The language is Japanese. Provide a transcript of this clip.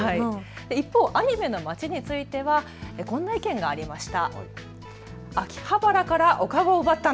一方、アニメの街についてはこんな意見がありました。